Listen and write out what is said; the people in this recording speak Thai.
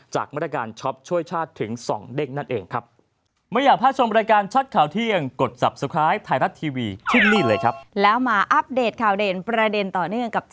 จากมาตรการช็อปช่วยชาติถึง๒เด้งนั่นเองครับ